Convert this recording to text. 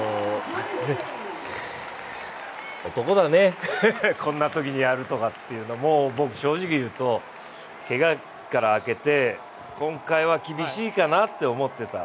男だね、こんなときにやるとかっていうのも僕正直言うとけがから明けて今回は厳しいかなって思ってた。